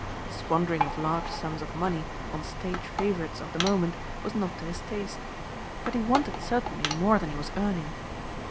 The squandering of large sums of money on stage favorites of the moment was not to his taste; but he wanted certainly more than he was earning.